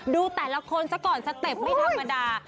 ดูแต่ละคนซะก่อนสเต็ปไม่ธรรมดา